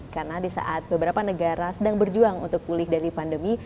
karena di saat beberapa negara sedang berjuang untuk pulih dari pandemi